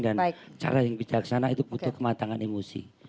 dan cara yang bijaksana itu butuh kematangan emosi